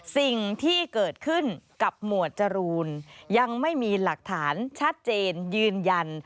สิ่งที่เกิดขึ้นกับหมวดจรูนยังไม่มีหลักฐานชัดเจนยืนยัน